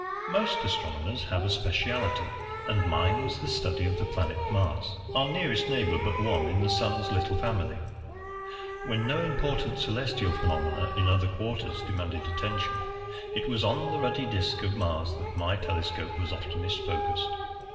Most astronomers have a specialty, and mine was the study of the planet Mars, our nearest neighbor but one in the Sun's little family. When no important celestial phenomena in other quarters demanded attention, it was on the ruddy disc of Mars that my telescope was oftenest focused.